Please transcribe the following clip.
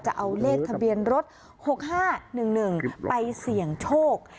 จะเอาเลขทะเบียนรถ๖๕๑๑ไปเสี่ยงโชค